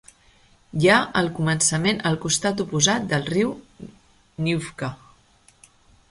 Hi ha el començament al costat oposat del riu Nyvka.